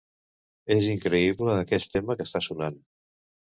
És increïble aquest tema que està sonant.